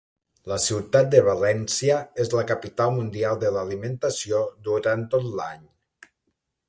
La ciutat de València és la Capital Mundial de l'Alimentació durant tot l'any.